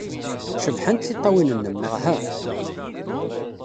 Cebḥent tiṭṭawin-nnem, neɣ uhu?